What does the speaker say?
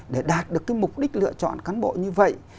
để đạt được cái mục đích lựa chọn cán bộ như vậy